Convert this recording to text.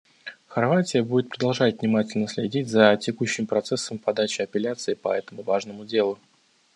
Хорватия будет продолжать внимательно следить за текущим процессом подачи апелляций по этому важному делу.